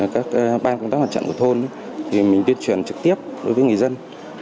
các ban công tác hoàn trọng của thôn thì mình tuyên truyền trực tiếp đối với người dân